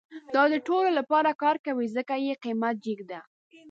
دا د ټولو لپاره کار کوي، ځکه یې قیمت جیګ ده